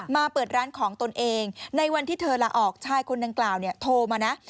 เปิดร้านของตนเองในวันที่เธอลาออกชายคนดังกล่าวเนี่ยโทรมานะ